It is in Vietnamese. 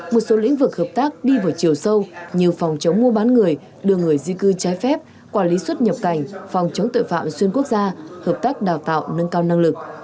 một số lĩnh vực hợp tác đi vào chiều sâu như phòng chống mua bán người đưa người di cư trái phép quản lý xuất nhập cảnh phòng chống tội phạm xuyên quốc gia hợp tác đào tạo nâng cao năng lực